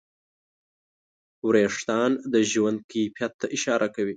وېښتيان د ژوند کیفیت ته اشاره کوي.